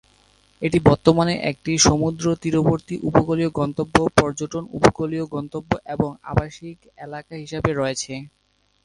এটি বর্তমানে একটি সমুদ্রতীরবর্তী উপকূলীয় গন্তব্য, পর্যটন উপকূলীয় গন্তব্য, এবং আবাসিক এলাকা হিসেবে রয়েছে।